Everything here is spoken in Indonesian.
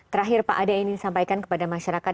terakhir pak ade ingin sampaikan kepada masyarakat